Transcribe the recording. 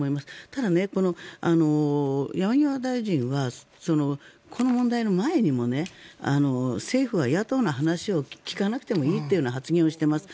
ただ、山際大臣はこの問題の前にも政府は野党の話を聞かなくてもいいという発言をしています。